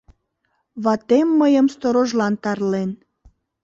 Ватем мыйым сторожлан тарлен?